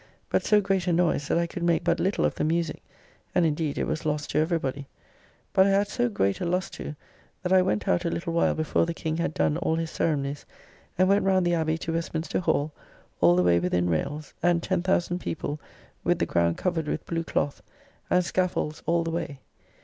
But so great a noise that I could make but little of the musique; and indeed, it was lost to every body. But I had so great a lust to.... that I went out a little while before the King had done all his ceremonies, and went round the Abbey to Westminster Hall, all the way within rayles, and 10,000 people, with the ground covered with blue cloth; and scaffolds all the way.